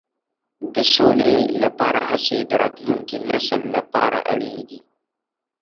د سولې لپاره هڅې د راتلونکي نسل لپاره اړینې دي.